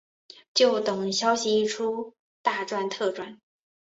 就等消息一出大赚特赚